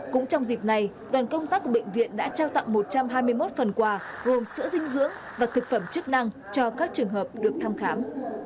cũng trong dịp này đoàn công tác của bệnh viện đã trao tặng một trăm hai mươi một phần quà gồm sữa dinh dưỡng và thực phẩm chức năng cho các trường hợp được thăm khám